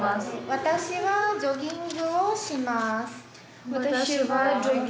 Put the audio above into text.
私はジョギングをします。